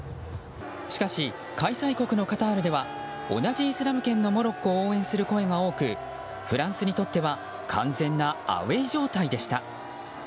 しかし、開催国のカタールでは同じイスラム圏のモロッコを応援する声が多くフランスにとっては完全なアウェー状態でした。